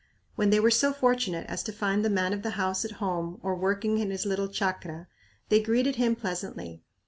When they were so fortunate as to find the man of the house at home or working in his little chacra they greeted him pleasantly.